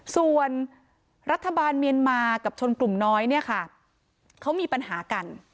ส่วนรัฐบาลเมียนมากับชนกลุ่มน้อยมีปัญหากัน